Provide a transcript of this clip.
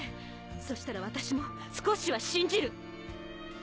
そしたら私も少しは信じる。